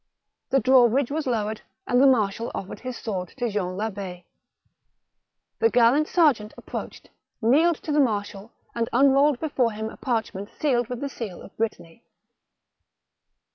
The drawbridge was lowered and the marshal offered his sword to Jean Labb6. The gallant serjeant approached, knelt to the marshal, and unrolled before him a parchment sealed with the seal of Brittany.